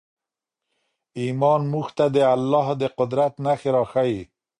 ایمان موږ ته د الله د قدرت نښې راښیي.